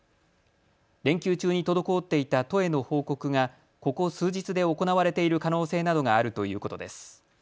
連休中に滞っていた都への報告がここ数日で行われている可能性などがあるということです。